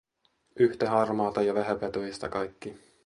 Yhtä harmaata ja vähäpätöistä kaikki.